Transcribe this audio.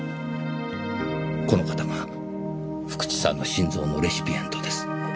この方が福地さんの心臓のレシピエントです。